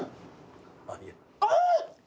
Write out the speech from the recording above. あっ！